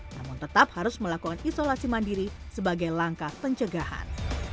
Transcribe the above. namun tetap harus melakukan isolasi mandiri sebagai langkah pencegahan